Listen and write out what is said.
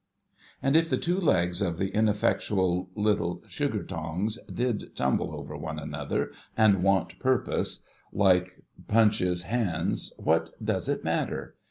And if the two legs of the ineffectual little sugar tongs did tumble over one another, and want purpose, like Punch's hands, what does it matter?